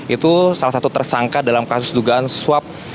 itu salah satu tersangka dalam kasus dugaan suap